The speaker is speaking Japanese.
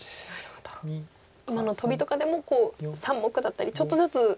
今のトビとかでも３目だったりちょっとずつ。